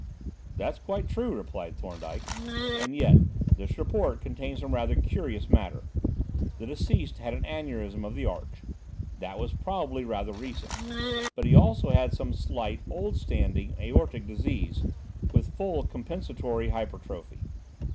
"That's quite true," replied Thorndyke; "and yet, this report contains some rather curious matter. The deceased had an aneurism of the arch; that was probably rather recent. But he also had some slight, old standing aortic disease, with full compensatory hypertrophy.